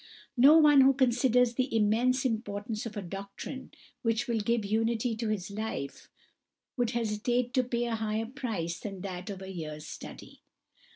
No one who considers the immense importance of a doctrine which will give unity to his life, would hesitate to pay a higher price than that of a year's study."